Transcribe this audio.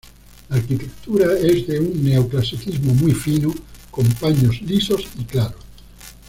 La arquitectura es de un neo-clasicismo muy fino con paños lisos y claros.